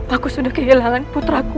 aku sudah kehilangan putraku